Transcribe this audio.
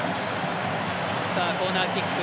コーナーキック。